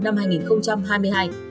ba tháng năm năm hai nghìn hai mươi hai